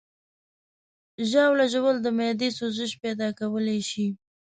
ژاوله ژوول د معدې سوزش پیدا کولی شي.